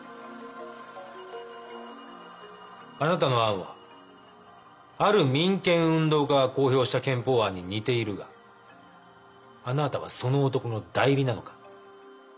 あなたの案はある民権運動家が公表した憲法案に似ているがあなたはその男の代理なのか。